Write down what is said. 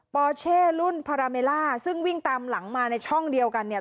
อเช่รุ่นพาราเมล่าซึ่งวิ่งตามหลังมาในช่องเดียวกันเนี่ย